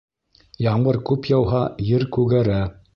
Ямғыр күп яуһа, ер күгәрә